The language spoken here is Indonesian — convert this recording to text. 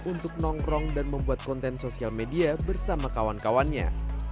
untuk nongkrong dan membuat konten sosial media bersama kawan kawannya